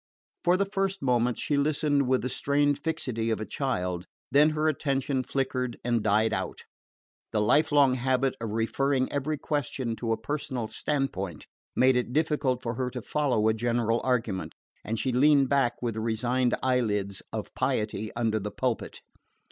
For the first moments she listened with the strained fixity of a child; then her attention flickered and died out. The life long habit of referring every question to a personal standpoint made it difficult for her to follow a general argument, and she leaned back with the resigned eyelids of piety under the pulpit.